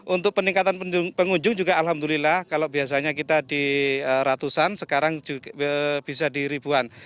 untuk peningkatan pengunjung juga alhamdulillah kalau biasanya kita di ratusan sekarang bisa di ribuan